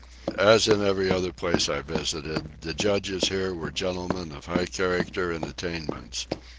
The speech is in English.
As in every other place I visited, the judges here were gentlemen of high character and attainments.